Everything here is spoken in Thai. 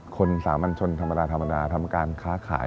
สามัญชนธรรมดาธรรมดาทำการค้าขาย